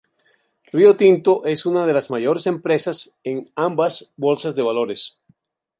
Rio Tinto, es una de las mayores empresas en ambas bolsas de valores.